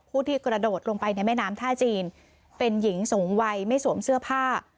ที่กระโดดลงไปในแม่น้ำท่าจีนเป็นหญิงสูงวัยไม่สวมเสื้อผ้า